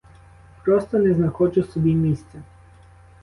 Просто не знаходжу собі місця.